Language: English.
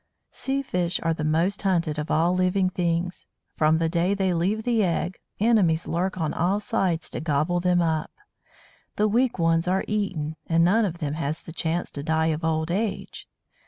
Sea fish are the most hunted of all living things. From the day they leave the egg, enemies lurk on all sides to gobble them up. The weak ones are eaten, and none of them has the chance to die of old age!